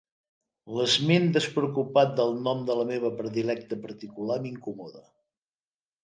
L'esment despreocupat del nom de la meva predilecta particular m'incomoda.